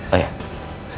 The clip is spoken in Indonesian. oh ya silahkan